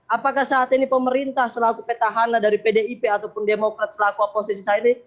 apakah saat ini pemerintah selaku petahana dari pdip ataupun demokrat selaku oposisi saat ini